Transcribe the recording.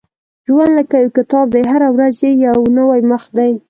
• ژوند لکه یو کتاب دی، هره ورځ یې یو نوی مخ دی.